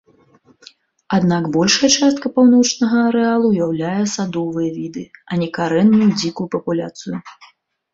Аднак, большая частка паўночнага арэалу ўяўляе садовыя віды, а не карэнную дзікую папуляцыю.